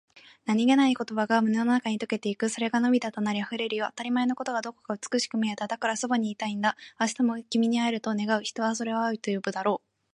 何気ない言葉が胸の中に溶けていく。それが涙となり、溢れるよ。当たり前のことがどこか美しく見えた。だから、そばにいたいんだ。明日も君に会えると願う、人はそれを愛と呼ぶのだろう。